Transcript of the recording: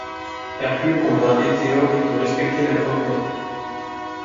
Hercule convainc Etéocle de respecter l'accord conclu.